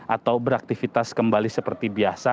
atau beraktivitas kembali seperti biasa